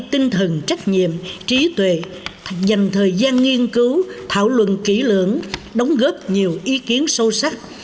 tinh thần trách nhiệm trí tuệ dành thời gian nghiên cứu thảo luận kỹ lưỡng đóng góp nhiều ý kiến sâu sắc